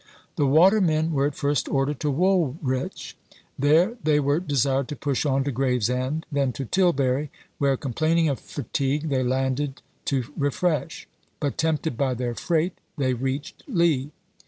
The watermen were at first ordered to Woolwich; there they were desired to push on to Gravesend; then to Tilbury, where, complaining of fatigue, they landed to refresh; but, tempted by their freight, they reached Lee.